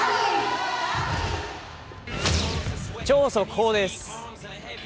超速報です。